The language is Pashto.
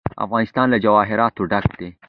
افغانستان له جواهرات ډک دی.